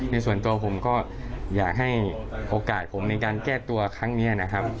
ในส่วนตัวผมก็อยากให้โอกาสผมในการแก้ตัวครั้งนี้นะครับ